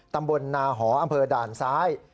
ตำบลนาหออำเภอด่านซ้าย